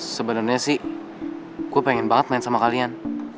sebenarnya sih gue pengen banget main sama kalian